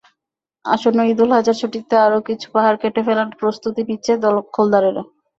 আসন্ন ঈদুল আজহার ছুটিতে আরও কিছু পাহাড় কেটে ফেলার প্রস্তুতি নিচ্ছে দখলদারেরা।